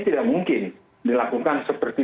tidak mungkin dilakukan seperti